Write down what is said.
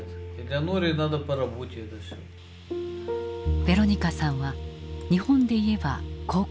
ヴェロニカさんは日本で言えば高校１年生。